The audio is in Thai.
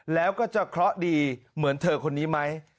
แล้วก็จะเคราะห์ดีเหมือนเธอคนนี้ไหม